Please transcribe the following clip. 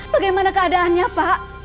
bagaimana keadaannya pak